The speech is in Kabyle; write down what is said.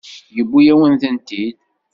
Yewwi-yawen-tent-id.